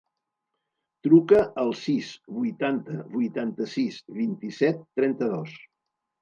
Truca al sis, vuitanta, vuitanta-sis, vint-i-set, trenta-dos.